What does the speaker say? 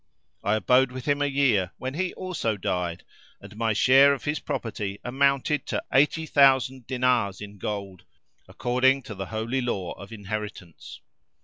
I abode with him a year when he also died, and my share of his property amounted to eighty thousand dinars in gold according to the holy law of inheritance.